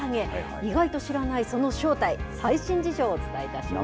意外と知らないその正体、最新事情をお伝えいたします。